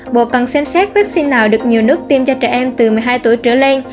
bộ cần xem xét vaccine nào được nhiều nước tiêm cho trẻ em từ một mươi hai tuổi trở lên